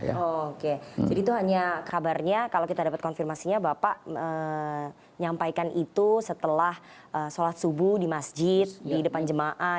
oke jadi itu hanya kabarnya kalau kita dapat konfirmasinya bapak menyampaikan itu setelah sholat subuh di masjid di depan jemaah